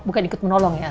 bukan ikut menolong ya